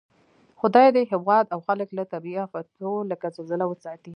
خدای دې هېواد او خلک له طبعي آفتو لکه زلزله وساتئ